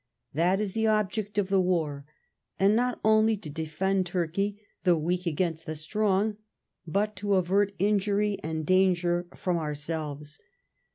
That is the object of the war, and not only to defend Turkey, the weak against the strong, but to avert injury and danger from ourselves.